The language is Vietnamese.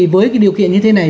với điều kiện như thế này